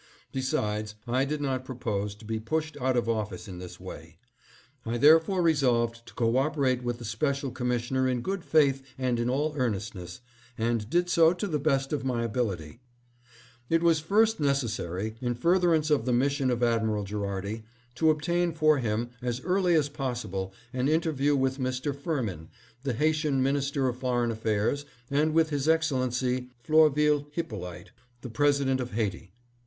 Besides, I did not propose to be pushed out of office in this way. I there fore resolved to co operate with the special commissioner in good faith and in all earnestness, and did so to the best of my ability. CONFERENCE WITH THE HAITIAN GOVERNMENT. 735 " It was first necessary, in furtherance of the mission of Admiral Gherardi, to obtain for him as early as possible an interview with Mr. Firmin, the Haitian Minister of Foreign Affairs, and with His Excellency Florvil Hyp polite, the President of Haiti.